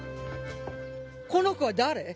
この子は誰？